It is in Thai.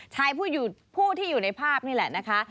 ผู้ที่อยู่ในภาพนี่แหละนะคะ